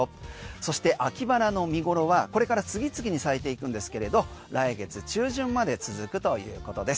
そして秋バラの見頃はこれから次々に咲いていくんですけれど来月中旬まで続くということです。